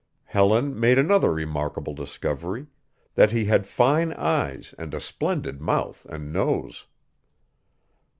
Helen made another remarkable discovery that he had fine eyes and a splendid mouth and nose.